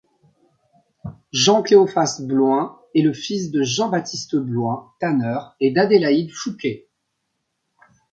Jean-Cléophas Blouin est le fils de Jean-Baptiste Blouin, tanneur, et d'Adélaïde Fouquet.